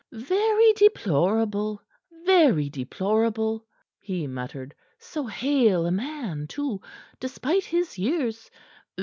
"Very deplorable, very deplorable!" he muttered. "So hale a man, too, despite his years.